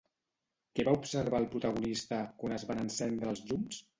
Què va observar el protagonista quan es van encendre els llums?